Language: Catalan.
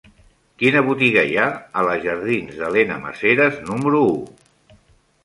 Quina botiga hi ha a la jardins d'Elena Maseras número u?